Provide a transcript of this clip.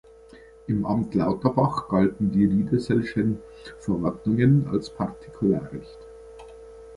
Im "Amt Lauterbach" galten die Riedesel’schen Verordnungen als Partikularrecht.